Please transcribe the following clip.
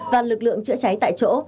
và lực lượng chữa cháy tại chỗ